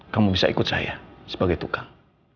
kamu bisa ikut saya sebagai tukang